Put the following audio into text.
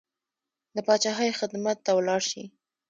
د پاچاهۍ خدمت ته ولاړ شي.